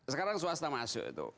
sekarang swasta masuk itu